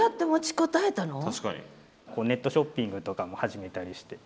ネットショッピングとかも始めたりして。